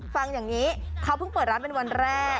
ฟังอย่างนี้เขาเพิ่งเปิดร้านเป็นวันแรก